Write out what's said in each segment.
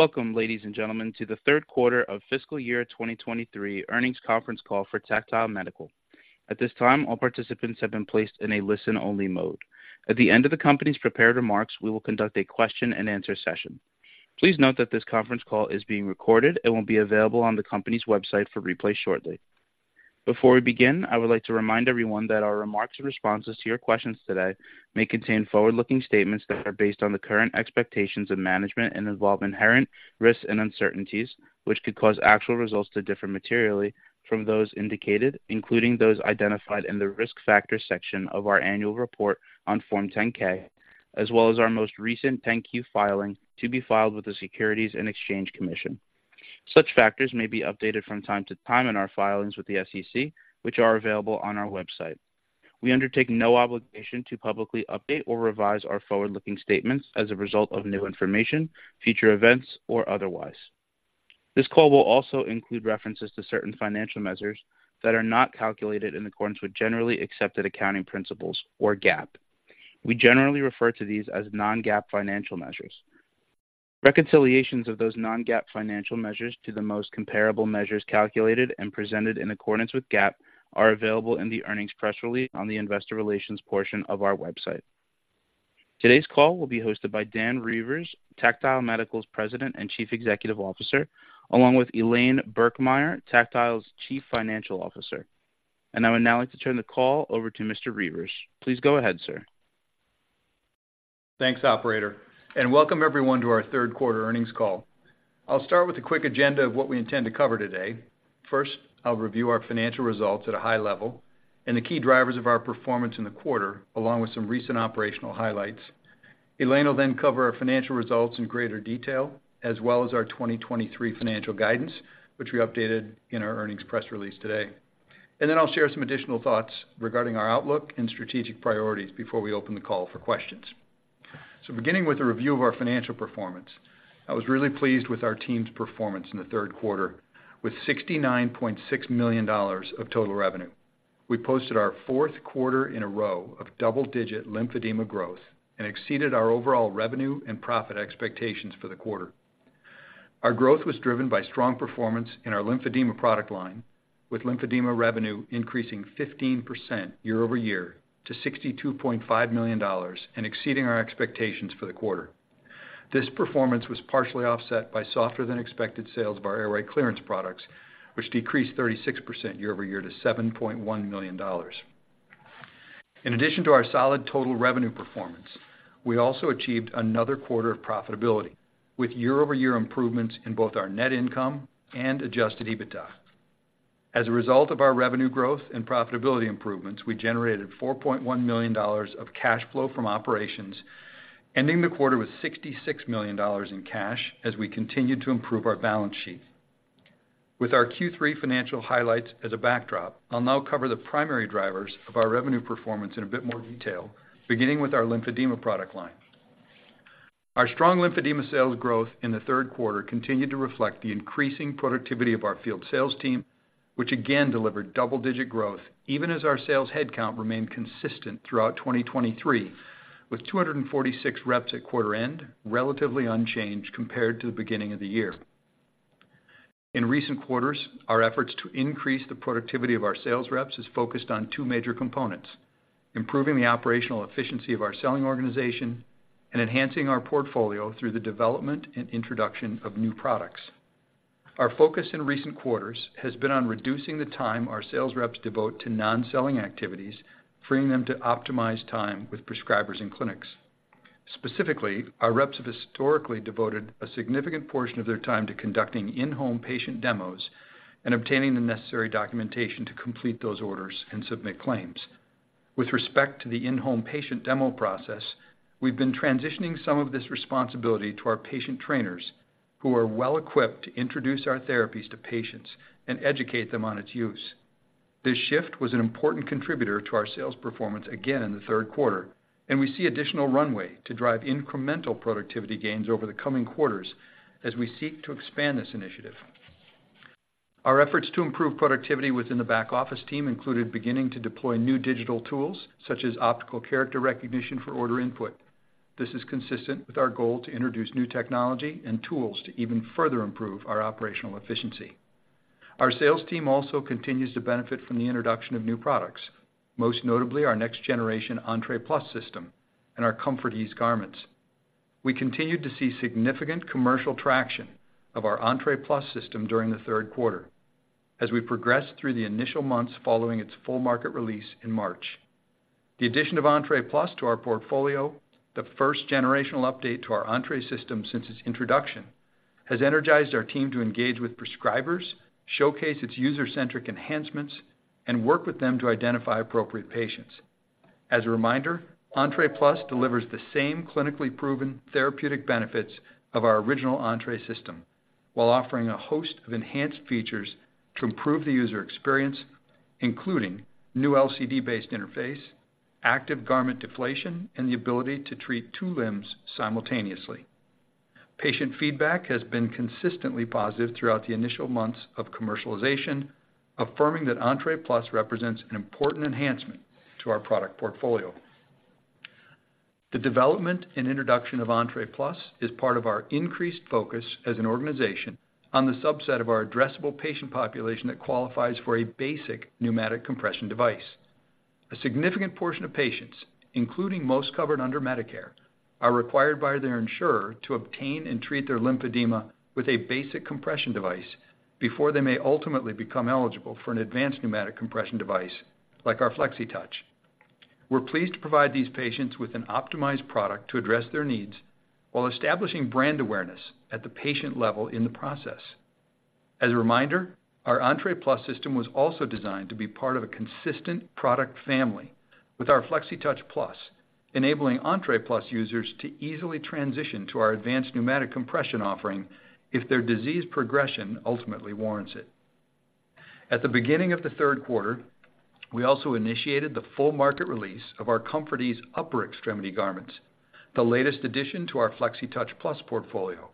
Welcome, ladies and gentlemen, to the third quarter of fiscal year 2023 earnings conference call for Tactile Medical. At this time, all participants have been placed in a listen-only mode. At the end of the company's prepared remarks, we will conduct a question-and-answer session. Please note that this conference call is being recorded and will be available on the company's website for replay shortly. Before we begin, I would like to remind everyone that our remarks and responses to your questions today may contain forward-looking statements that are based on the current expectations of management and involve inherent risks and uncertainties, which could cause actual results to differ materially from those indicated, including those identified in the Risk Factors section of our annual report on Form 10-K, as well as our most recent 10-Q filing to be filed with the Securities and Exchange Commission. Such factors may be updated from time to time in our filings with the SEC, which are available on our website. We undertake no obligation to publicly update or revise our forward-looking statements as a result of new information, future events, or otherwise. This call will also include references to certain financial measures that are not calculated in accordance with generally accepted accounting principles, or GAAP. We generally refer to these as non-GAAP financial measures. Reconciliations of those non-GAAP financial measures to the most comparable measures calculated and presented in accordance with GAAP are available in the earnings press release on the Investor Relations portion of our website. Today's call will be hosted by Dan Reuvers, Tactile Medical's President and Chief Executive Officer, along with Elaine Birkemeyer, Tactile's Chief Financial Officer. And I would now like to turn the call over to Mr. Reuvers. Please go ahead, sir. Thanks, Operator, and welcome everyone to our third quarter earnings call. I'll start with a quick agenda of what we intend to cover today. First, I'll review our financial results at a high level and the key drivers of our performance in the quarter, along with some recent operational highlights. Elaine will then cover our financial results in greater detail, as well as our 2023 financial guidance, which we updated in our earnings press release today. Then I'll share some additional thoughts regarding our outlook and strategic priorities before we open the call for questions. Beginning with a review of our financial performance, I was really pleased with our team's performance in the third quarter. With $69.6 million of total revenue, we posted our fourth quarter in a row of double-digit Lymphedema growth and exceeded our overall revenue and profit expectations for the quarter. Our growth was driven by strong performance in our Lymphedema product line, with Lymphedema revenue increasing 15% year-over-year to $62.5 million and exceeding our expectations for the quarter. This performance was partially offset by softer than expected sales of our airway clearance products, which decreased 36% year-over-year to $7.1 million. In addition to our solid total revenue performance, we also achieved another quarter of profitability, with year-over-year improvements in both our net income and adjusted EBITDA. As a result of our revenue growth and profitability improvements, we generated $4.1 million of cash flow from operations, ending the quarter with $66 million in cash as we continued to improve our balance sheet. With our Q3 financial highlights as a backdrop, I'll now cover the primary drivers of our revenue performance in a bit more detail, beginning with our Lymphedema product line. Our strong Lymphedema sales growth in the third quarter continued to reflect the increasing productivity of our field sales team, which again delivered double-digit growth even as our sales headcount remained consistent throughout 2023, with 246 reps at quarter end, relatively unchanged compared to the beginning of the year. In recent quarters, our efforts to increase the productivity of our sales reps is focused on two major components: improving the operational efficiency of our selling organization and enhancing our portfolio through the development and introduction of new products. Our focus in recent quarters has been on reducing the time our sales reps devote to non-selling activities, freeing them to optimize time with prescribers and clinics. Specifically, our reps have historically devoted a significant portion of their time to conducting in-home patient demos and obtaining the necessary documentation to complete those orders and submit claims. With respect to the in-home patient demo process, we've been transitioning some of this responsibility to our patient trainers, who are well equipped to introduce our therapies to patients and educate them on its use. This shift was an important contributor to our sales performance again in the third quarter, and we see additional runway to drive incremental productivity gains over the coming quarters as we seek to expand this initiative. Our efforts to improve productivity within the back office team included beginning to deploy new digital tools, such as optical character recognition for order input. This is consistent with our goal to introduce new technology and tools to even further improve our operational efficiency. Our sales team also continues to benefit from the introduction of new products, most notably our next generation Entre Plus system and our ComfortEase garments. We continued to see significant commercial traction of our Entre Plus system during the third quarter as we progressed through the initial months following its full market release in March. The addition of Entre Plus to our portfolio, the first generational update to our Entre system since its introduction, has energized our team to engage with prescribers, showcase its user-centric enhancements, and work with them to identify appropriate patients. As a reminder, Entre Plus delivers the same clinically proven therapeutic benefits of our original Entre system, while offering a host of enhanced features to improve the user experience, including new LCD-based interface, active garment deflation, and the ability to treat two limbs simultaneously. Patient feedback has been consistently positive throughout the initial months of commercialization. Affirming that Entre Plus represents an important enhancement to our product portfolio. The development and introduction of Entre Plus is part of our increased focus as an organization on the subset of our addressable patient population that qualifies for a basic pneumatic compression device. A significant portion of patients, including most covered under Medicare, are required by their insurer to obtain and treat their lymphedema with a basic compression device before they may ultimately become eligible for an advanced pneumatic compression device like our Flexitouch. We're pleased to provide these patients with an optimized product to address their needs, while establishing brand awareness at the patient level in the process. As a reminder, our Entre Plus system was also designed to be part of a consistent product family with our Flexitouch Plus, enabling Entre Plus users to easily transition to our advanced pneumatic compression offering if their disease progression ultimately warrants it. At the beginning of the third quarter, we also initiated the full market release of our ComfortEase upper extremity garments, the latest addition to our Flexitouch Plus portfolio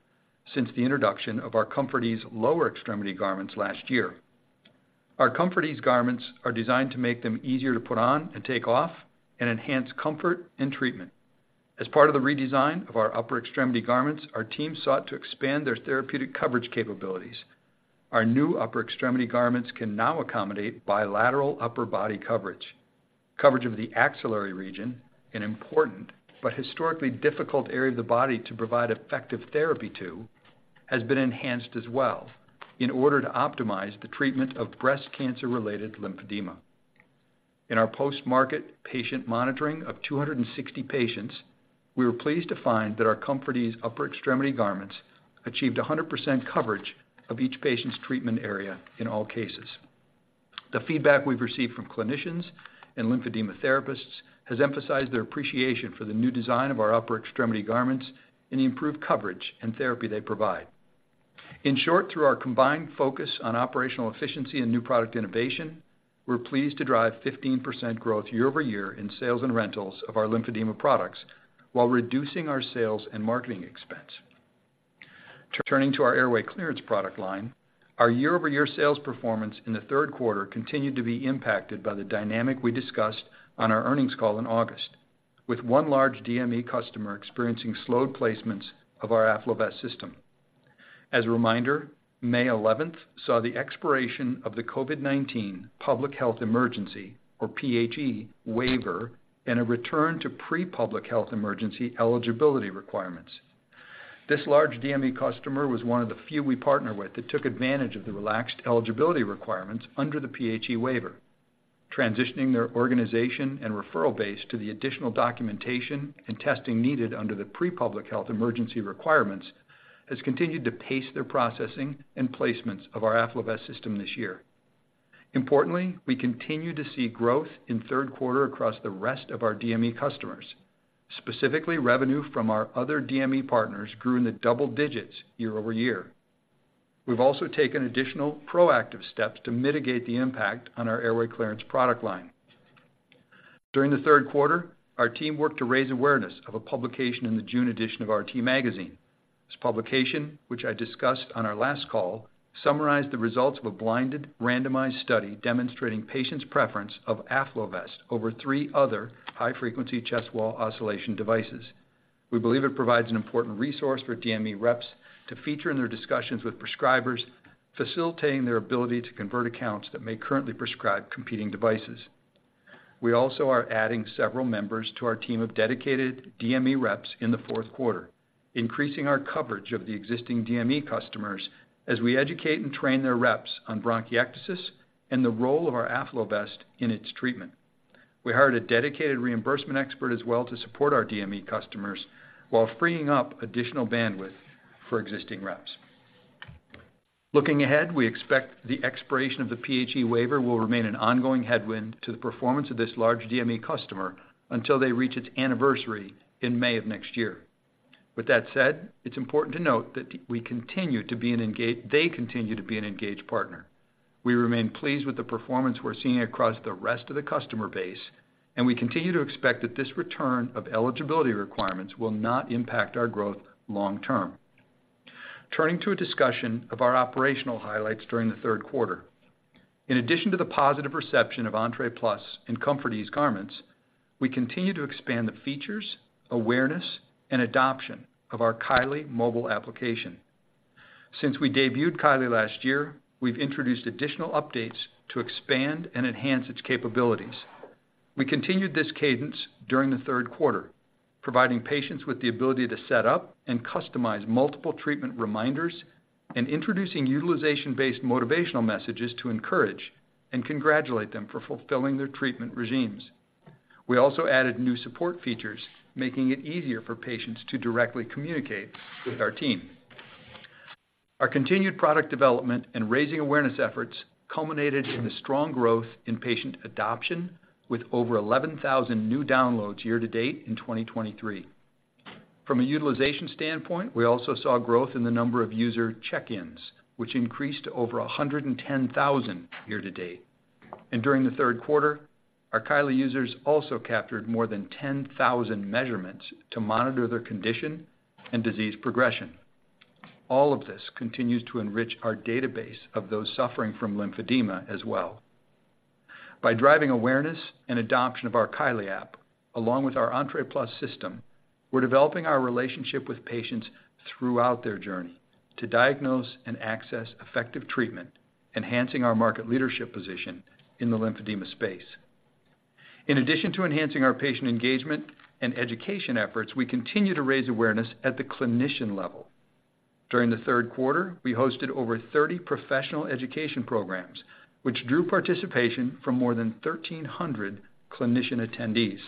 since the introduction of our ComfortEase lower extremity garments last year. Our ComfortEase garments are designed to make them easier to put on and take off and enhance comfort and treatment. As part of the redesign of our upper extremity garments, our team sought to expand their therapeutic coverage capabilities. Our new upper extremity garments can now accommodate bilateral upper body coverage. Coverage of the axillary region, an important but historically difficult area of the body to provide effective therapy to, has been enhanced as well in order to optimize the treatment of breast cancer-related lymphedema. In our post-market patient monitoring of 260 patients, we were pleased to find that our ComfortEase upper extremity garments achieved 100% coverage of each patient's treatment area in all cases. The feedback we've received from clinicians and lymphedema therapists has emphasized their appreciation for the new design of our upper extremity garments and the improved coverage and therapy they provide. In short, through our combined focus on operational efficiency and new product innovation, we're pleased to drive 15% growth year-over-year in sales and rentals of our Lymphedema products, while reducing our sales and marketing expense. Turning to our Airway Clearance product line, our year-over-year sales performance in the third quarter continued to be impacted by the dynamic we discussed on our earnings call in August, with one large DME customer experiencing slowed placements of our AffloVest system. As a reminder, May 11th saw the expiration of the COVID-19 public health emergency, or PHE, waiver and a return to pre-public health emergency eligibility requirements. This large DME customer was one of the few we partner with that took advantage of the relaxed eligibility requirements under the PHE waiver. Transitioning their organization and referral base to the additional documentation and testing needed under the pre-public health emergency requirements, has continued to pace their processing and placements of our AffloVest system this year. Importantly, we continue to see growth in third quarter across the rest of our DME customers. Specifically, revenue from our other DME partners grew in the double digits year-over-year. We've also taken additional proactive steps to mitigate the impact on our airway clearance product line. During the third quarter, our team worked to raise awareness of a publication in the June edition of RT Magazine. This publication, which I discussed on our last call, summarized the results of a blinded, randomized study demonstrating patients' preference of AffloVest over three other high-frequency chest wall oscillation devices. We believe it provides an important resource for DME reps to feature in their discussions with prescribers, facilitating their ability to convert accounts that may currently prescribe competing devices. We also are adding several members to our team of dedicated DME reps in the fourth quarter, increasing our coverage of the existing DME customers as we educate and train their reps on bronchiectasis and the role of our AffloVest in its treatment. We hired a dedicated reimbursement expert as well to support our DME customers, while freeing up additional bandwidth for existing reps. Looking ahead, we expect the expiration of the PHE waiver will remain an ongoing headwind to the performance of this large DME customer until they reach its anniversary in May of next year. With that said, it's important to note that they continue to be an engaged partner. We remain pleased with the performance we're seeing across the rest of the customer base, and we continue to expect that this return of eligibility requirements will not impact our growth long term. Turning to a discussion of our operational highlights during the third quarter. In addition to the positive reception of Entre Plus and ComfortEase garments, we continue to expand the features, awareness, and adoption of our Kylee mobile application. Since we debuted Kylee last year, we've introduced additional updates to expand and enhance its capabilities. We continued this cadence during the third quarter, providing patients with the ability to set up and customize multiple treatment reminders and introducing utilization-based motivational messages to encourage and congratulate them for fulfilling their treatment regimens. We also added new support features, making it easier for patients to directly communicate with our team. Our continued product development and raising awareness efforts culminated in a strong growth in patient adoption, with over 11,000 new downloads year-to-date in 2023. From a utilization standpoint, we also saw growth in the number of user check-ins, which increased to over 110,000 year-to-date. And during the third quarter, our Kylee users also captured more than 10,000 measurements to monitor their condition and disease progression. All of this continues to enrich our database of those suffering from lymphedema as well. By driving awareness and adoption of our Kylee app, along with our Entre Plus system, we're developing our relationship with patients throughout their journey to diagnose and access effective treatment, enhancing our market leadership position in the lymphedema space. In addition to enhancing our patient engagement and education efforts, we continue to raise awareness at the clinician level. During the third quarter, we hosted over 30 professional education programs, which drew participation from more than 1,300 clinician attendees.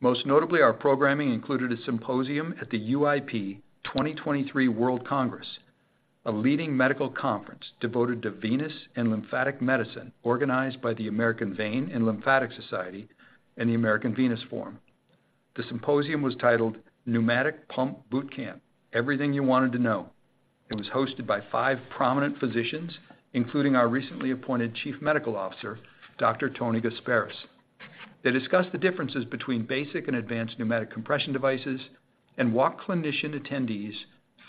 Most notably, our programming included a symposium at the UIP 2023 World Congress, a leading medical conference devoted to venous and lymphatic medicine, organized by the American Vein and Lymphatic Society and the American Venous Forum. The symposium was titled, Pneumatic Pump Boot Camp: Everything You Wanted to Know. It was hosted by five prominent physicians, including our recently appointed Chief Medical Officer, Dr. Tony Gasparis. They discussed the differences between basic and advanced pneumatic compression devices, and walked clinician attendees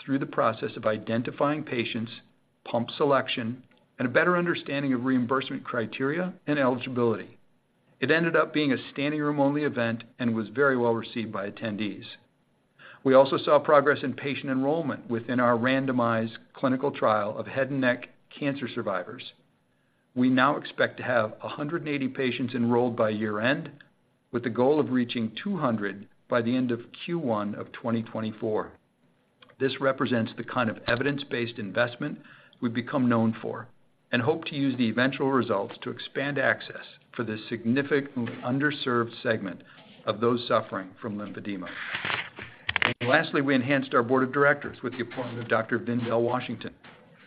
through the process of identifying patients, pump selection, and a better understanding of reimbursement criteria and eligibility. It ended up being a standing room-only event and was very well-received by attendees. We also saw progress in patient enrollment within our randomized clinical trial of head and neck cancer survivors. We now expect to have 180 patients enrolled by year-end, with the goal of reaching 200 by the end of Q1 of 2024. This represents the kind of evidence-based investment we've become known for, and hope to use the eventual results to expand access for this significant underserved segment of those suffering from lymphedema. And lastly, we enhanced our board of directors with the appointment of Dr. Vindell Washington.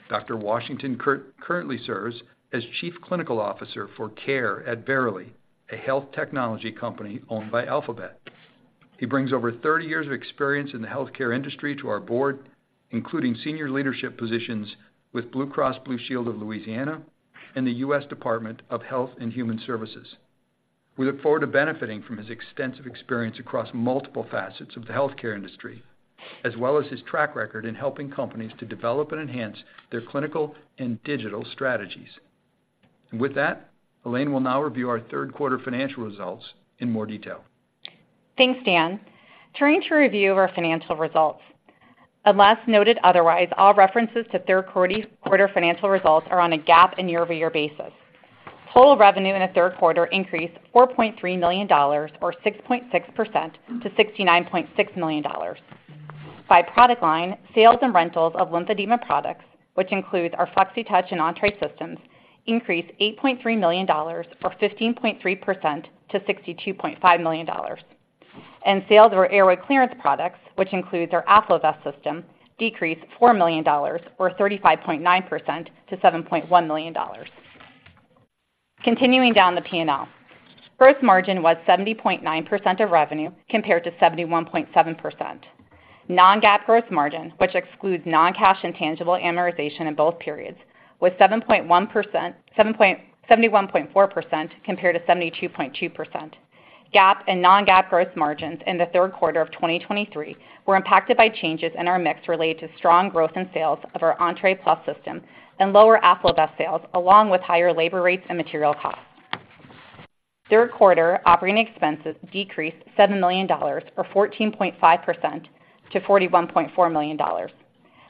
Dr. Washington currently serves as Chief Clinical Officer for Care at Verily, a health technology company owned by Alphabet. He brings over 30 years of experience in the healthcare industry to our board, including senior leadership positions with Blue Cross Blue Shield of Louisiana and the US Department of Health and Human Services. We look forward to benefiting from his extensive experience across multiple facets of the healthcare industry, as well as his track record in helping companies to develop and enhance their clinical and digital strategies. And with that, Elaine will now review our third quarter financial results in more detail. Thanks, Dan. Turning to a review of our financial results. Unless noted otherwise, all references to third quarter, quarter financial results are on a GAAP and year-over-year basis. Total revenue in the third quarter increased $4.3 million, or 6.6% to $69.6 million. By product line, sales and rentals of Lymphedema products, which includes our Flexitouch and Entre systems, increased $8.3 million, or 15.3% to $62.5 million. And sales of our Airway Clearance products, which includes our AffloVest system, decreased $4 million or 35.9% to $7.1 million. Continuing down the P&L. Gross margin was 70.9% of revenue, compared to 71.7%. Non-GAAP gross margin, which excludes non-cash and intangible amortization in both periods, was 71.4% compared to 72.2%. GAAP and non-GAAP gross margins in the third quarter of 2023 were impacted by changes in our mix related to strong growth in sales of our Entre Plus system and lower AffloVest sales, along with higher labor rates and material costs. Third quarter operating expenses decreased $7 million, or 14.5%, to $41.4 million.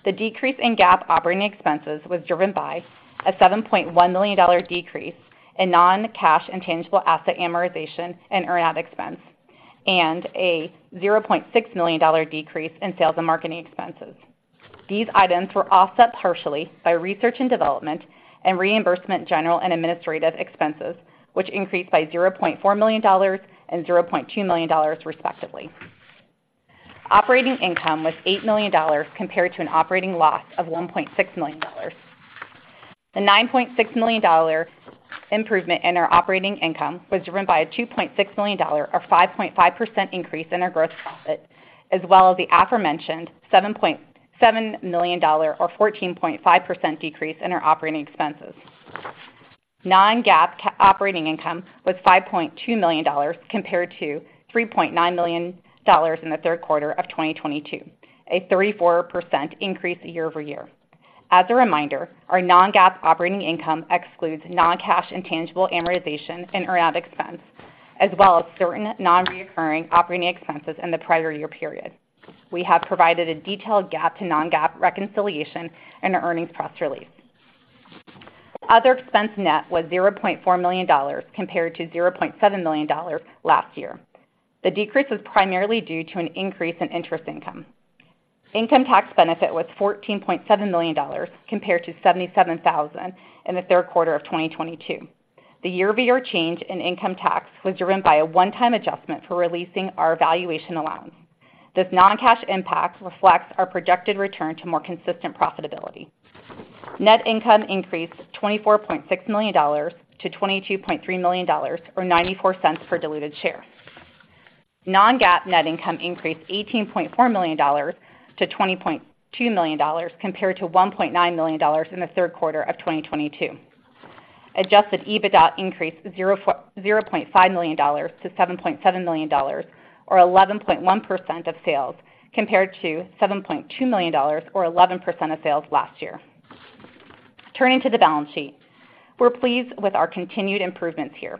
The decrease in GAAP operating expenses was driven by a $7.1 million dollar decrease in non-cash intangible asset amortization and earn out expense, and a $0.6 million dollar decrease in sales and marketing expenses. These items were offset partially by research and development and reimbursement general and administrative expenses, which increased by $0.4 million and $0.2 million, respectively. Operating income was $8 million, compared to an operating loss of $1.6 million. The $9.6 million improvement in our operating income was driven by a $2.6 million, or 5.5% increase in our gross profit, as well as the aforementioned $7.7 million or 14.5% decrease in our operating expenses. Non-GAAP operating income was $5.2 million, compared to $3.9 million in the third quarter of 2022, a 34% increase year-over-year. As a reminder, our non-GAAP operating income excludes non-cash intangible amortization and earn-out expense, as well as certain non-recurring operating expenses in the prior year period. We have provided a detailed GAAP to non-GAAP reconciliation in our earnings press release. Other expense net was $0.4 million, compared to $0.7 million last year. The decrease was primarily due to an increase in interest income. Income tax benefit was $14.7 million, compared to $77,000 in the third quarter of 2022. The year-over-year change in income tax was driven by a one-time adjustment for releasing our valuation allowance. This non-cash impact reflects our projected return to more consistent profitability. Net income increased $24.6 million to $22.3 million, or $0.94 per diluted share. Non-GAAP net income increased $18.4 million to $20.2 million, compared to $1.9 million in the third quarter of 2022. Adjusted EBITDA increased $0.5 million to $7.7 million, or 11.1% of sales, compared to $7.2 million or 11% of sales last year. Turning to the balance sheet. We're pleased with our continued improvements here.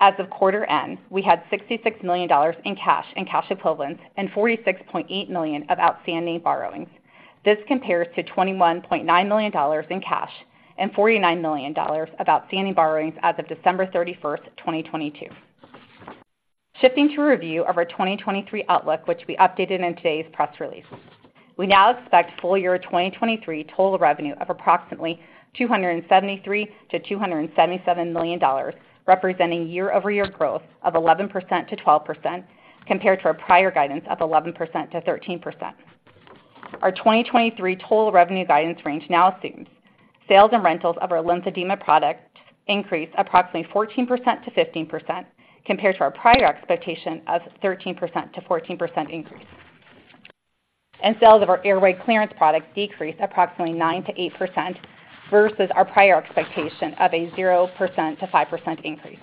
As of quarter end, we had $66 million in cash and cash equivalents, and $46.8 million of outstanding borrowings. This compares to $21.9 million in cash and $49 million of outstanding borrowings as of December 31st, 2022. Shifting to a review of our 2023 outlook, which we updated in today's press release. We now expect full-year 2023 total revenue of approximately $273 million-$277 million, representing year-over-year growth of 11%-12%, compared to our prior guidance of 11%-13%. Our 2023 total revenue guidance range now assumes sales and rentals of our Lymphedema product increase approximately 14%-15%, compared to our prior expectation of 13%-14% increase. And sales of our Airway Clearance products decrease approximately 9%-8% versus our prior expectation of a 0%-5% increase.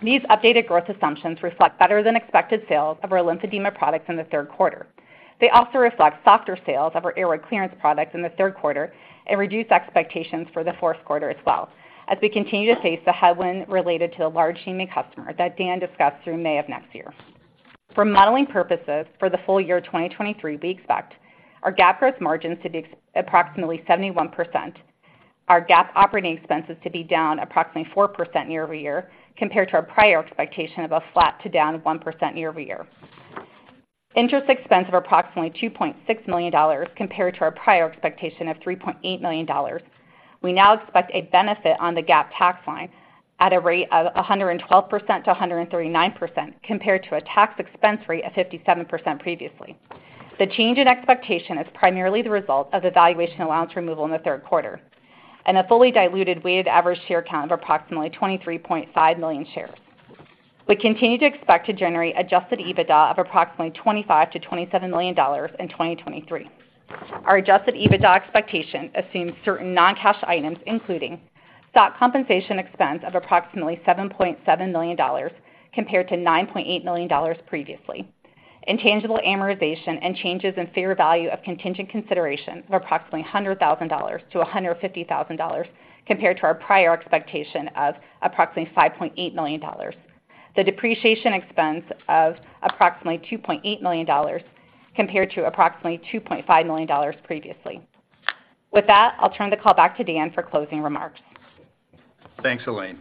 These updated growth assumptions reflect better-than-expected sales of our Lymphedema products in the third quarter. They also reflect softer sales of our Airway Clearance products in the third quarter and reduced expectations for the fourth quarter as well, as we continue to face the headwind related to the large DME customer that Dan discussed through May of next year. For modeling purposes, for the full-year 2023, we expect our GAAP gross margins to be approximately 71%, our GAAP operating expenses to be down approximately 4% year-over-year, compared to our prior expectation of a flat to down of 1% year-over-year. Interest expense of approximately $2.6 million, compared to our prior expectation of $3.8 million. We now expect a benefit on the GAAP tax line at a rate of 112%-139%, compared to a tax expense rate of 57% previously. The change in expectation is primarily the result of the valuation allowance removal in the third quarter and a fully diluted weighted average share count of approximately 23.5 million shares. We continue to expect to generate adjusted EBITDA of approximately $25 million-$27 million in 2023. Our adjusted EBITDA expectation assumes certain non-cash items, including stock compensation expense of approximately $7.7 million, compared to $9.8 million previously. Intangible amortization and changes in fair value of contingent consideration of approximately $100,000-$150,000, compared to our prior expectation of approximately $5.8 million. The depreciation expense of approximately $2.8 million, compared to approximately $2.5 million previously. With that, I'll turn the call back to Dan for closing remarks. Thanks, Elaine.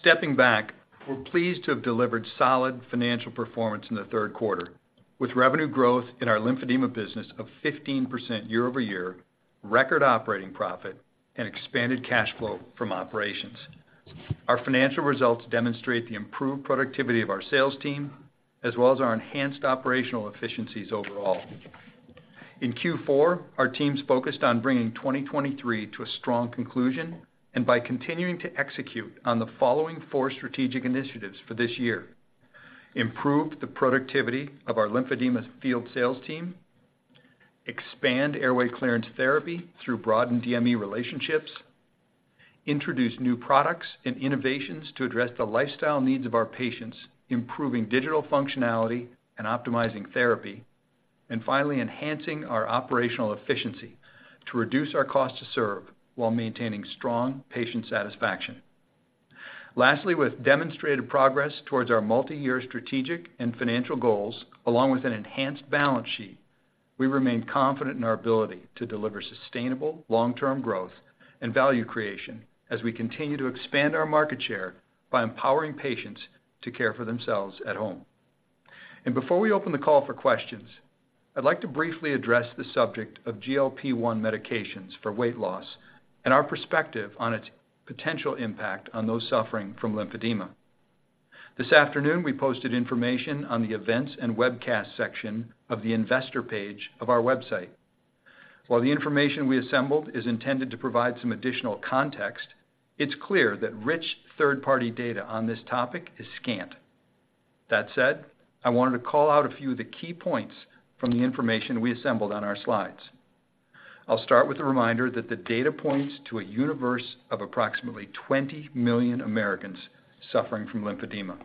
Stepping back, we're pleased to have delivered solid financial performance in the third quarter, with revenue growth in our lymphedema business of 15% year-over-year, record operating profit, and expanded cash flow from operations. Our financial results demonstrate the improved productivity of our sales team, as well as our enhanced operational efficiencies overall. In Q4, our team's focused on bringing 2023 to a strong conclusion, and by continuing to execute on the following four strategic initiatives for this year: improve the productivity of our Lymphedema field sales team, expand Airway Clearance Therapy through broadened DME relationships, introduce new products and innovations to address the lifestyle needs of our patients, improving digital functionality and optimizing therapy, and finally, enhancing our operational efficiency to reduce our cost to serve while maintaining strong patient satisfaction. Lastly, with demonstrated progress towards our multiyear strategic and financial goals, along with an enhanced balance sheet, we remain confident in our ability to deliver sustainable long-term growth and value creation as we continue to expand our market share by empowering patients to care for themselves at home. And before we open the call for questions, I'd like to briefly address the subject of GLP-1 medications for weight loss and our perspective on its potential impact on those suffering from lymphedema. This afternoon, we posted information on the Events and Webcast section of the Investor page of our website. While the information we assembled is intended to provide some additional context, it's clear that rich third-party data on this topic is scant. That said, I wanted to call out a few of the key points from the information we assembled on our slides. I'll start with a reminder that the data points to a universe of approximately 20 million Americans suffering from lymphedema.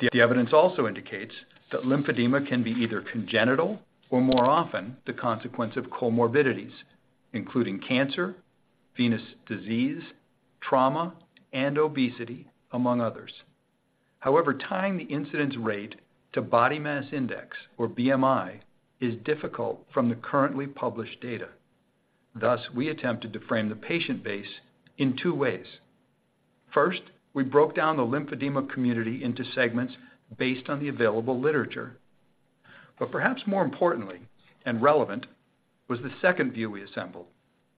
The evidence also indicates that lymphedema can be either congenital or, more often, the consequence of comorbidities, including cancer, venous disease, trauma, and obesity, among others. However, tying the incidence rate to body mass index, or BMI, is difficult from the currently published data. Thus, we attempted to frame the patient base in two ways. First, we broke down the lymphedema community into segments based on the available literature. But perhaps more importantly and relevant was the second view we assembled,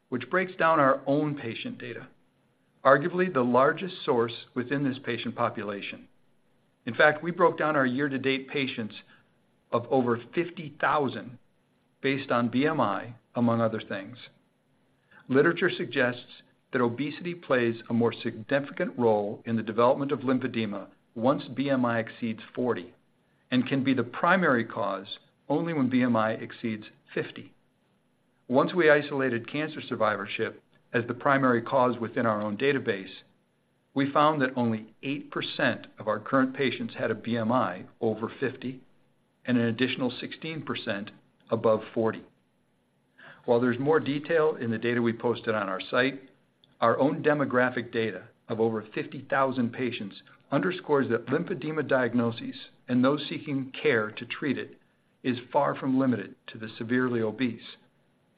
which breaks down our own patient data, arguably the largest source within this patient population. In fact, we broke down our year-to-date patients of over 50,000 based on BMI, among other things. Literature suggests that obesity plays a more significant role in the development of lymphedema once BMI exceeds 40, and can be the primary cause only when BMI exceeds 50. Once we isolated cancer survivorship as the primary cause within our own database, we found that only 8% of our current patients had a BMI over 50 and an additional 16% above 40. While there's more detail in the data we posted on our site, our own demographic data of over 50,000 patients underscores that lymphedema diagnosis and those seeking care to treat it is far from limited to the severely obese.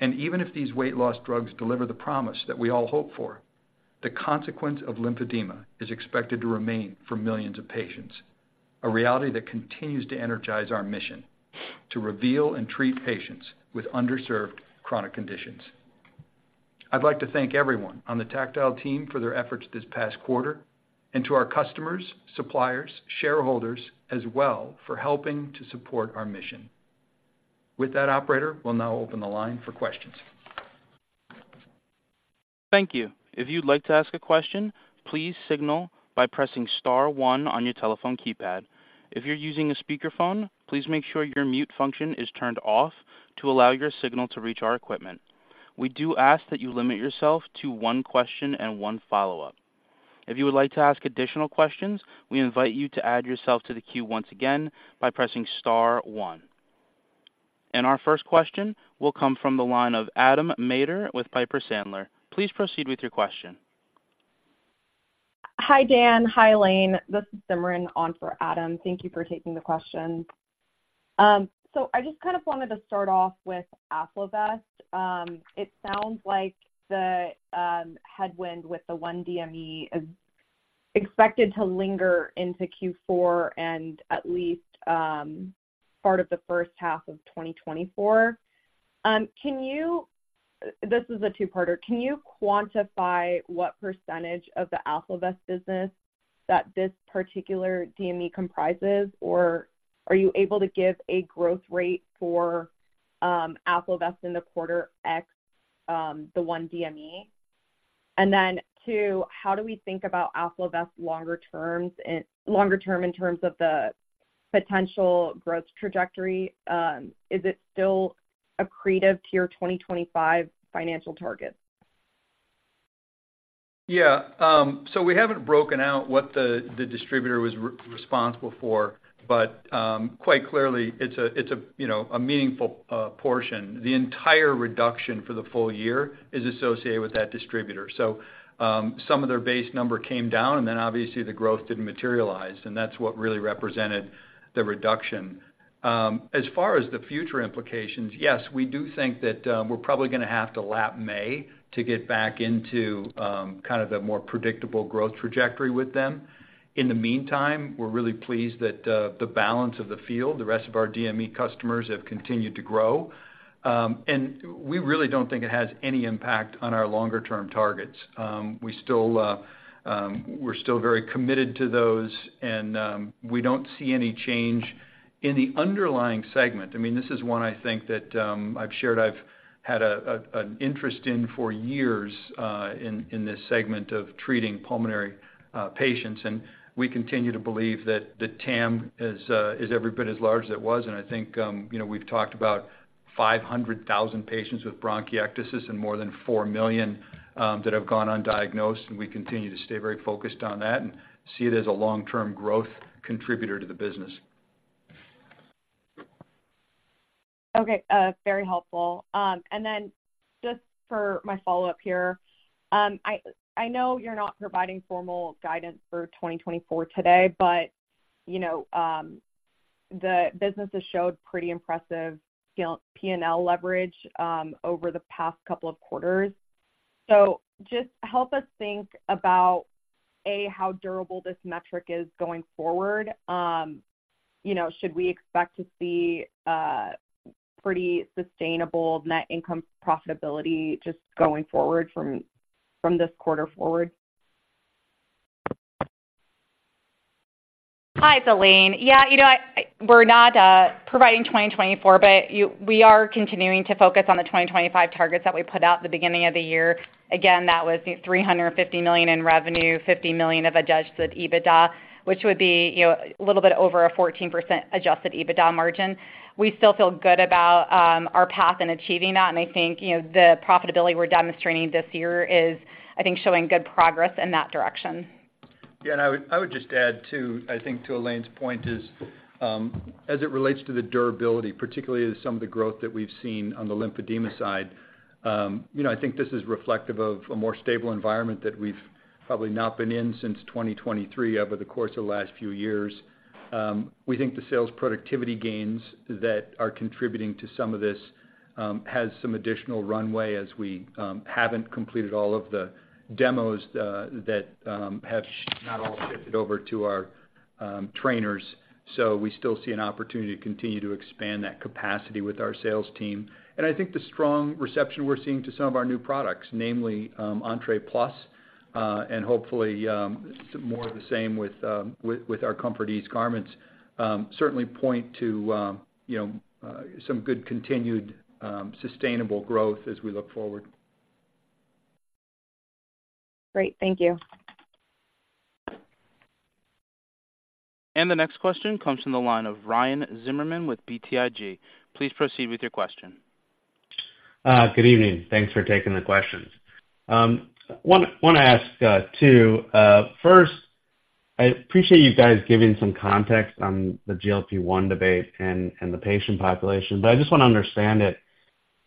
Even if these weight loss drugs deliver the promise that we all hope for, the consequence of lymphedema is expected to remain for millions of patients, a reality that continues to energize our mission to reveal and treat patients with underserved chronic conditions. I'd like to thank everyone on the Tactile team for their efforts this past quarter, and to our customers, suppliers, shareholders as well, for helping to support our mission. With that, Operator, we'll now open the line for questions. Thank you. If you'd like to ask a question, please signal by pressing star one on your telephone keypad. If you're using a speakerphone, please make sure your mute function is turned off to allow your signal to reach our equipment. We do ask that you limit yourself to one question and one follow-up. If you would like to ask additional questions, we invite you to add yourself to the queue once again by pressing star one. Our first question will come from the line of Adam Maeder with Piper Sandler. Please proceed with your question. Hi, Dan. Hi, Elaine. This is Simran on for Adam. Thank you for taking the question. So I just kind of wanted to start off with AffloVest. It sounds like the headwind with the one DME is expected to linger into Q4 and at least part of the first half of 2024. This is a two-parter. Can you quantify what percentage of the AffloVest business that this particular DME comprises? Or are you able to give a growth rate for AffloVest in the quarter X the one DME? And then, two, how do we think about AffloVest longer term in terms of the potential growth trajectory? Is it still accretive to your 2025 financial targets? Yeah. So we haven't broken out what the distributor was responsible for, but quite clearly, it's a you know a meaningful portion. The entire reduction for the full year is associated with that distributor. So some of their base number came down, and then obviously, the growth didn't materialize, and that's what really represented the reduction. As far as the future implications, yes, we do think that we're probably going to have to lap May to get back into kind of the more predictable growth trajectory with them. In the meantime, we're really pleased that the balance of the field, the rest of our DME customers, have continued to grow. And we really don't think it has any impact on our longer-term targets. We're still very committed to those, and we don't see any change in the underlying segment. I mean, this is one I think that I've shared I've had an interest in for years in this segment of treating pulmonary patients, and we continue to believe that the TAM is every bit as large as it was. And I think, you know, we've talked about 500,000 patients with bronchiectasis and more than 4 million that have gone undiagnosed, and we continue to stay very focused on that and see it as a long-term growth contributor to the business. Okay, very helpful. And then just for my follow-up here, I know you're not providing formal guidance for 2024 today, but, you know, the business has showed pretty impressive P&L leverage, over the past couple of quarters. So just help us think about, A, how durable this metric is going forward. You know, should we expect to see pretty sustainable net income profitability just going forward from this quarter forward? Hi, it's Elaine. We're not providing 2024, but we are continuing to focus on the 2025 targets that we put out at the beginning of the year. Again, that was $350 million in revenue, $50 million of adjusted EBITDA, which would be, you know, a little bit over 14% adjusted EBITDA margin. We still feel good about our path in achieving that, and I think, you know, the profitability we're demonstrating this year is, I think, showing good progress in that direction. Yeah, and I would just add, too I think to Elaine's point is, as it relates to the durability, particularly as some of the growth that we've seen on the Lymphedema side, you know, I think this is reflective of a more stable environment that we've probably not been in since 2023 over the course of the last few years. We think the sales productivity gains that are contributing to some of this has some additional runway as we haven't completed all of the demos that have not all shifted over to our trainers. So we still see an opportunity to continue to expand that capacity with our sales team. I think the strong reception we're seeing to some of our new products, namely, Entre Plus, and hopefully, more of the same with our ComfortEase garments, certainly point to, you know, some good continued sustainable growth as we look forward. Great. Thank you. The next question comes from the line of Ryan Zimmerman with BTIG. Please proceed with your question. Good evening. Thanks for taking the questions. I want to ask two. First, I appreciate you guys giving some context on the GLP-1 debate and the patient population, but I just want to understand it.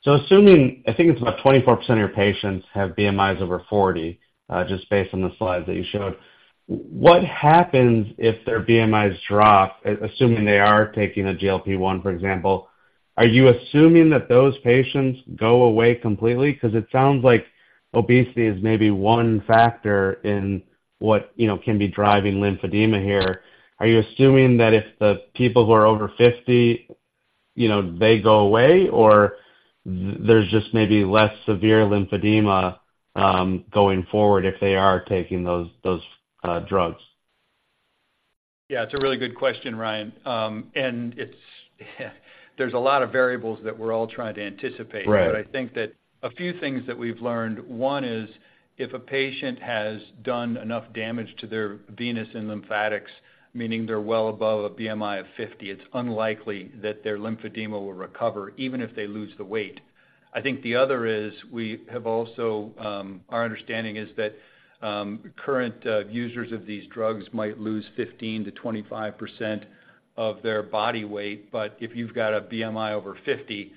So assuming, I think it's about 24% of your patients have BMIs over 40, just based on the slide that you showed. What happens if their BMIs drop? Assuming they are taking a GLP-1, for example, are you assuming that those patients go away completely? Because it sounds like obesity is maybe one factor in what, you know, can be driving lymphedema here. Are you assuming that if the people who are over 50, you know, they go away, or there's just maybe less severe lymphedema going forward if they are taking those drugs? Yeah, it's a really good question, Ryan. And there's a lot of variables that we're all trying to anticipate. Right. But I think that a few things that we've learned, one is if a patient has done enough damage to their venous and lymphatics, meaning they're well above a BMI of 50, it's unlikely that their lymphedema will recover, even if they lose the weight. I think the other is we have also our understanding is that current users of these drugs might lose 15%-25% of their body weight. But if you've got a BMI over 50,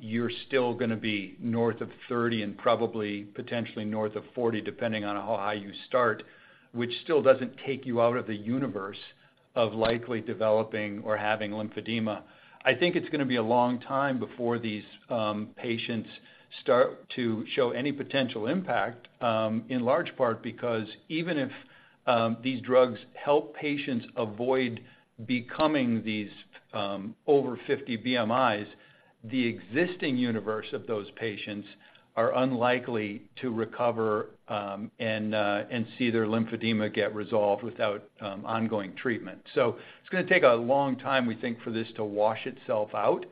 you're still gonna be north of 30 and probably potentially north of 40, depending on how high you start, which still doesn't take you out of the universe of likely developing or having lymphedema. I think it's gonna be a long time before these patients start to show any potential impact, in large part because even if these drugs help patients avoid becoming these over 50 BMIs, the existing universe of those patients are unlikely to recover and see their lymphedema get resolved without ongoing treatment. So it's gonna take a long time, we think, for this to wash itself out.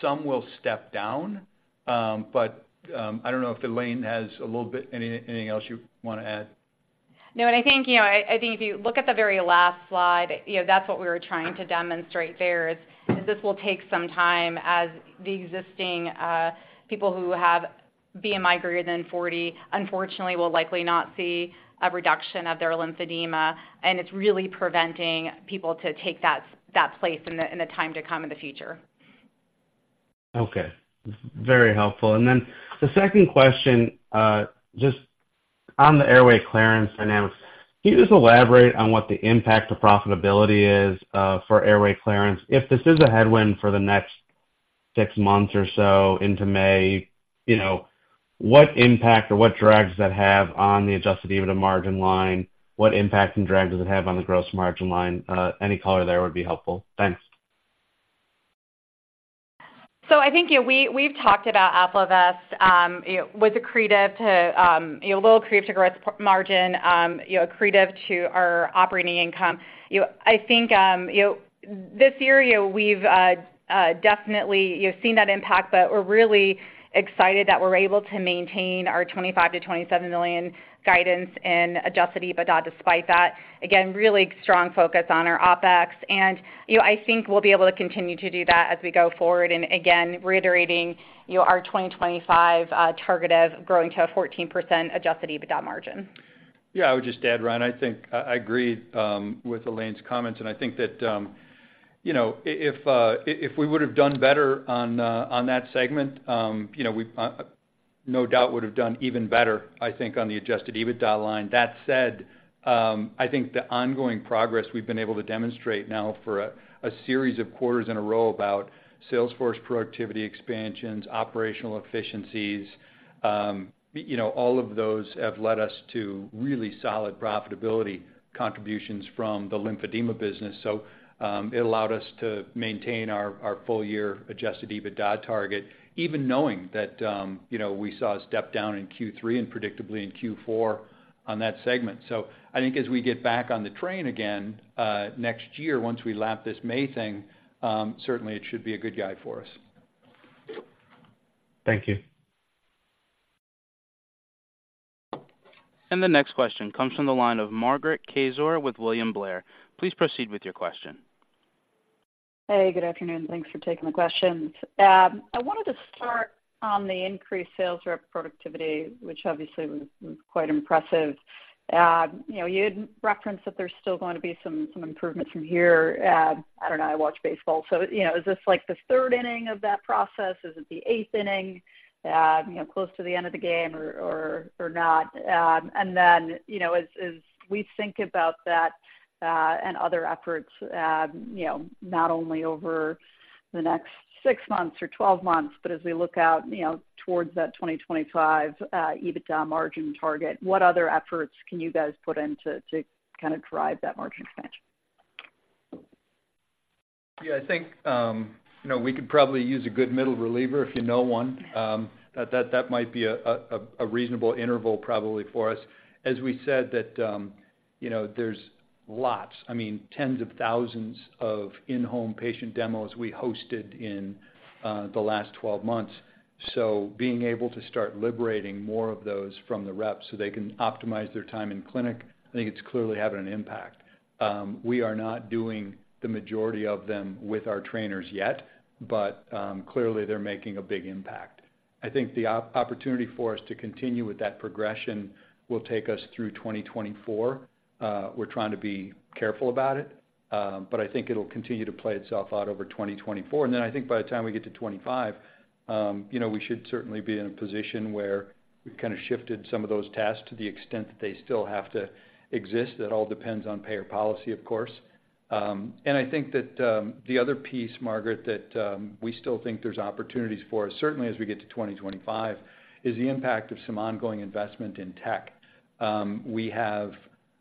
Some will step down, but I don't know if Elaine has anything else you want to add? Yeah. You know, I think if you look at the very last slide, you know, that's what we were trying to demonstrate there, is that this will take some time as the existing people who have BMI greater than 40, unfortunately, will likely not see a reduction of their lymphedema, and it's really preventing people to take that place in the time to come in the future. Okay. Very helpful. And then the second question, just on the Airway Clearance announcement. Can you just elaborate on what the impact to profitability is, for Airway Clearance? If this is a headwind for the next six months or so into May, you know, what impact or what drags does that have on the adjusted EBITDA margin line? What impact and drag does it have on the gross margin line? Any color there would be helpful. Thanks. So I think, you know, we, we've talked about AffloVest, you know, was accretive to, you know, a little accretive to gross profit margin, you know, accretive to our operating income. You know, I think, you know, this year, you know, we've definitely, you've seen that impact, but we're really excited that we're able to maintain our $25 million-$27 million guidance in adjusted EBITDA, despite that. Again, really strong focus on our OpEx, and, you know, I think we'll be able to continue to do that as we go forward. And again, reiterating, you know, our 2025 target of growing to a 14% adjusted EBITDA margin. Yeah, I would just add, Ryan, I think I agree with Elaine's comments, and I think that, you know, if we would have done better on that segment, you know, we've no doubt would have done even better, I think, on the adjusted EBITDA line. That said, I think the ongoing progress we've been able to demonstrate now for a series of quarters in a row about sales force productivity expansions, operational efficiencies, you know, all of those have led us to really solid profitability contributions from the lymphedema business. So, it allowed us to maintain our full-year adjusted EBITDA target, even knowing that, you know, we saw a step down in Q3 and predictably in Q4 on that segment. So I think as we get back on the train again, next year, once we lap this May thing, certainly it should be a good guide for us. Thank you. The next question comes from the line of Margaret Kaczor with William Blair. Please proceed with your question. Hey, good afternoon. Thanks for taking the questions. I wanted to start on the increased sales rep productivity, which obviously was quite impressive. You know, you had referenced that there's still going to be some improvements from here. I don't know, I watch baseball, so, you know, is this like the third inning of that process? Is it the eighth inning, you know, close to the end of the game or not? And then, you know, as, as we think about that and other efforts, you know, not only over the next six months or 12 months, but as we look out, you know, towards that 2025 EBITDA margin target, what other efforts can you guys put in to kind of drive that margin expansion? Yeah, I think, you know, we could probably use a good middle reliever, if you know one. That might be a reasonable interval probably for us. As we said that, you know, there's lots, I mean, tens of thousands of in-home patient demos we hosted in the last 12 months. So being able to start liberating more of those from the reps so they can optimize their time in clinic, I think it's clearly having an impact. We are not doing the majority of them with our trainers yet, but clearly they're making a big impact. I think the opportunity for us to continue with that progression will take us through 2024. We're trying to be careful about it, but I think it'll continue to play itself out over 2024. Then I think by the time we get to 2025, you know, we should certainly be in a position where we've kind of shifted some of those tasks to the extent that they still have to exist. That all depends on payer policy, of course. I think that the other piece, Margaret, that we still think there's opportunities for us, certainly as we get to 2025, is the impact of some ongoing investment in tech. We have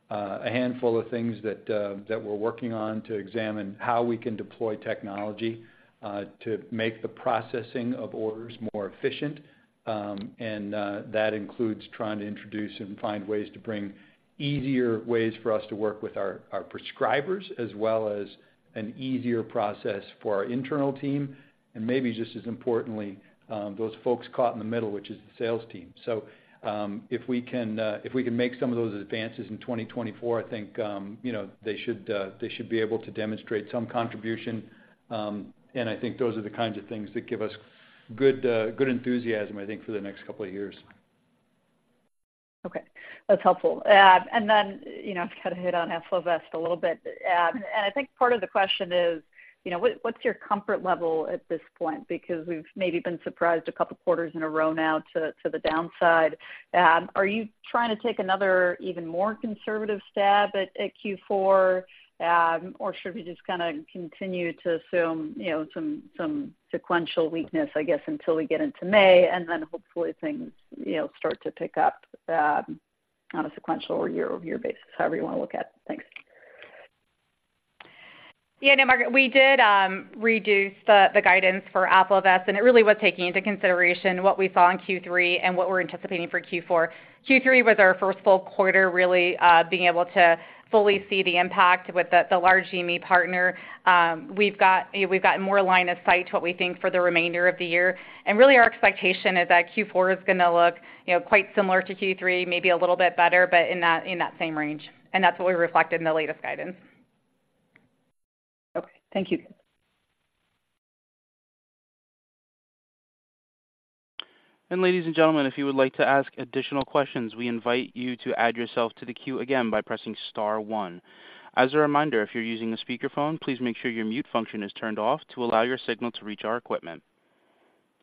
a handful of things that we're working on to examine how we can deploy technology to make the processing of orders more efficient. That includes trying to introduce and find ways to bring easier ways for us to work with our prescribers, as well as an easier process for our internal team, and maybe just as importantly, those folks caught in the middle, which is the sales team. If we can make some of those advances in 2024, I think, you know, they should be able to demonstrate some contribution. I think those are the kinds of things that give us good enthusiasm, I think, for the next couple of years. Okay, that's helpful. And then, you know, I've got to hit on AffloVest a little bit. And I think part of the question is, you know, what, what's your comfort level at this point? Because we've maybe been surprised a couple of quarters in a row now to the downside. Are you trying to take another even more conservative stab at Q4? Or should we just kinda continue to assume, you know, some sequential weakness, I guess, until we get into May, and then hopefully things, you know, start to pick up on a sequential or year-over-year basis, however you want to look at it? Thanks. Yeah, no, Margaret, we did reduce the guidance for AffloVest, and it really was taking into consideration what we saw in Q3 and what we're anticipating for Q4. Q3 was our first full quarter, really, being able to fully see the impact with the large DME partner. We've got more line of sight to what we think for the remainder of the year. And really, our expectation is that Q4 is gonna look, you know, quite similar to Q3, maybe a little bit better, but in that same range, and that's what we reflected in the latest guidance. Okay, thank you. Ladies and gentlemen, if you would like to ask additional questions, we invite you to add yourself to the queue again by pressing star one. As a reminder, if you're using a speakerphone, please make sure your mute function is turned off to allow your signal to reach our equipment.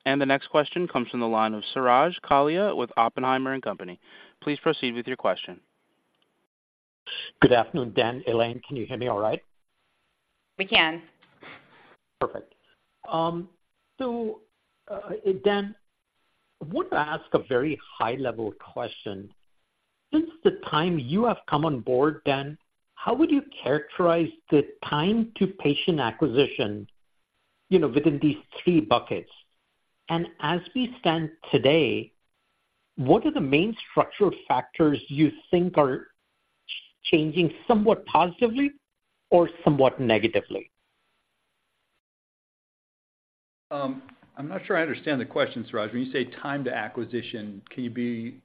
The next question comes from the line of Suraj Kalia with Oppenheimer and Company. Please proceed with your question. Good afternoon, Dan, Elaine. Can you hear me all right? We can. Perfect. So, Dan, I want to ask a very high-level question. Since the time you have come on board, Dan, how would you characterize the time to patient acquisition, you know, within these three buckets? And as we stand today, what are the main structural factors you think are changing somewhat positively or somewhat negatively? I'm not sure I understand the question, Suraj. When you say time to acquisition, can you be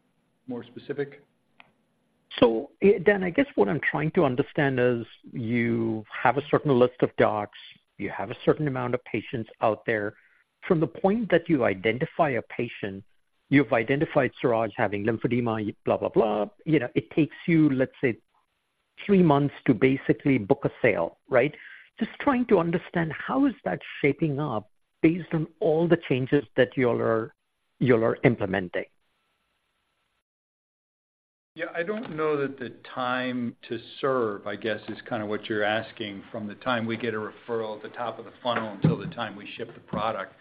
more specific? So, Dan, I guess what I'm trying to understand is you have a certain list of docs, you have a certain amount of patients out there. From the point that you identify a patient, you've identified Suraj having lymphedema, blah, blah, blah. You know, it takes you, let's say, three months to basically book a sale, right? Just trying to understand how is that shaping up based on all the changes that you all are implementing. Yeah, I don't know that the time to serve, I guess, is kind of what you're asking, from the time we get a referral at the top of the funnel until the time we ship the product.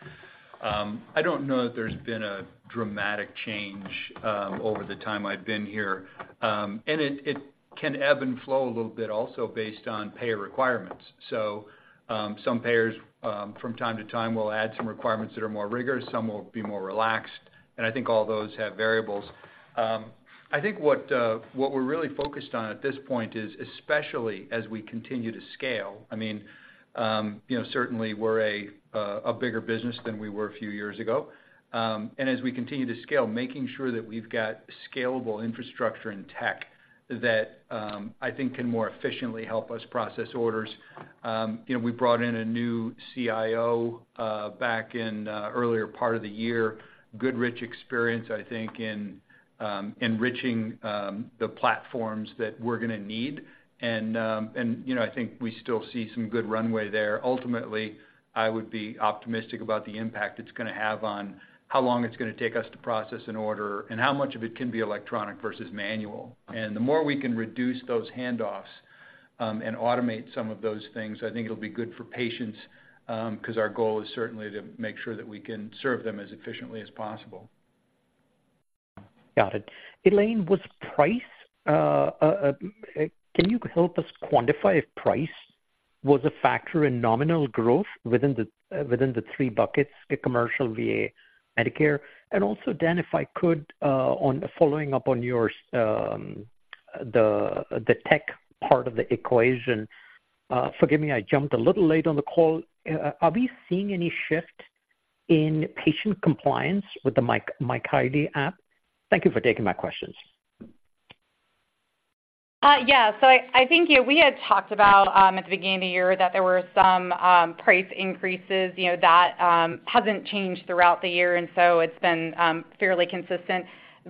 I don't know that there's been a dramatic change over the time I've been here. And it can ebb and flow a little bit also based on payer requirements. So, some payers from time to time will add some requirements that are more rigorous, some will be more relaxed, and I think all those have variables. I think what we're really focused on at this point is, especially as we continue to scale, I mean, you know, certainly we're a bigger business than we were a few years ago. As we continue to scale, making sure that we've got scalable infrastructure and tech that, I think, can more efficiently help us process orders. You know, we brought in a new CIO back in earlier part of the year. Good, rich experience, I think, in enriching the platforms that we're gonna need. You know, I think we still see some good runway there. Ultimately, I would be optimistic about the impact it's gonna have on how long it's gonna take us to process an order and how much of it can be electronic versus manual. The more we can reduce those handoffs and automate some of those things, I think it'll be good for patients because our goal is certainly to make sure that we can serve them as efficiently as possible. Got it. Elaine, can you help us quantify if price was a factor in nominal growth within the three buckets, the commercial, VA, Medicare. And also, Dan, if I could, on following up on your, the tech part of the equation. Forgive me, I jumped a little late on the call. Are we seeing any shift in patient compliance with the my Kylee app? Thank you for taking my questions. Yeah. So I think, you know, we had talked about at the beginning of the year that there were some price increases, you know, that hasn't changed throughout the year, and so it's been fairly consistent.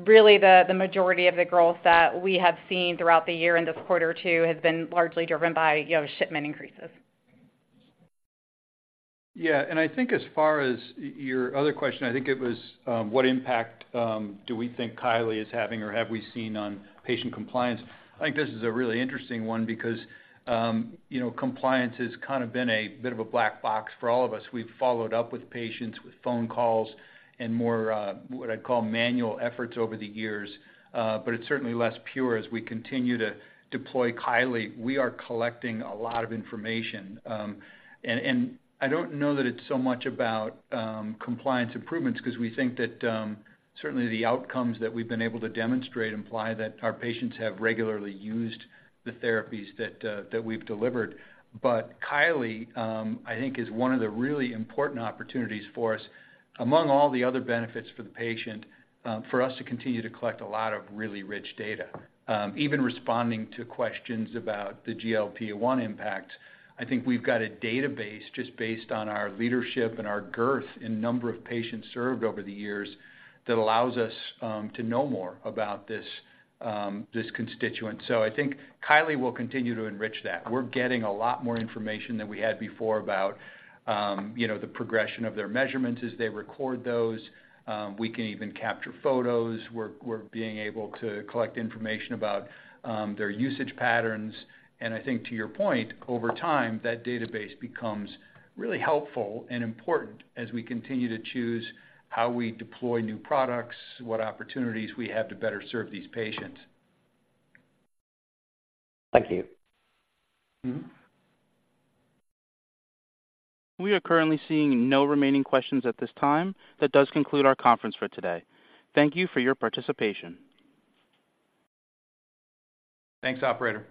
Really, the majority of the growth that we have seen throughout the year and this quarter too, has been largely driven by, you know, shipment increases. Yeah, and I think as far as your other question, I think it was, what impact do we think Kylee is having or have we seen on patient compliance? I think this is a really interesting one because, you know, compliance has kind of been a bit of a black box for all of us. We've followed up with patients with phone calls and more, what I'd call manual efforts over the years. But it's certainly less pure as we continue to deploy Kylee. We are collecting a lot of information, and I don't know that it's so much about, compliance improvements, 'cause we think that, certainly the outcomes that we've been able to demonstrate imply that our patients have regularly used the therapies that we've delivered. But Kylee, I think is one of the really important opportunities for us, among all the other benefits for the patient, for us to continue to collect a lot of really rich data. Even responding to questions about the GLP-1 impact, I think we've got a database just based on our leadership and our girth in number of patients served over the years, that allows us, to know more about this, this constituent. So I think Kylee will continue to enrich that. We're getting a lot more information than we had before about, you know, the progression of their measurements as they record those. We can even capture photos. We're being able to collect information about, their usage patterns. I think to your point, over time, that database becomes really helpful and important as we continue to choose how we deploy new products, what opportunities we have to better serve these patients. Thank you. We are currently seeing no remaining questions at this time. That does conclude our conference for today. Thank you for your participation. Thanks, Operator.